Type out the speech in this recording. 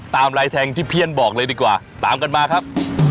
ลายแทงที่เพี้ยนบอกเลยดีกว่าตามกันมาครับ